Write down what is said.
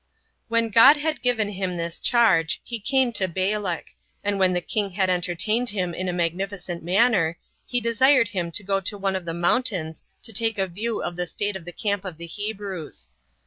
4. When God had given him this charge, he came to Balak; and when the king had entertained him in a magnificent manner, he desired him to go to one of the mountains to take a view of the state of the camp of the Hebrews.